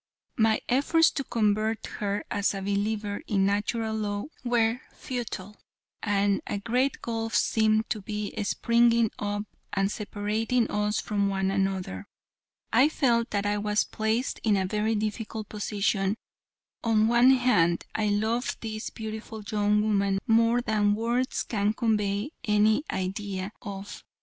My efforts to convert her as a believer in Natural Law were futile, and a great gulf seemed to be springing up and separating us from one another. I felt that I was placed in a very difficult position. On the one hand, I loved this beautiful young woman more than words can convey any idea of.